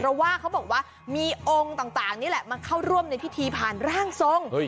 เพราะว่าเขาบอกว่ามีองค์ต่างนี่แหละมาเข้าร่วมในพิธีผ่านร่างทรง